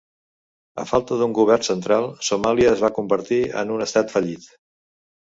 A falta d'un govern central, Somàlia es va convertir en un "Estat fallit".